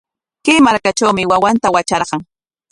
Kay markatrawmi wawanta watrarqan.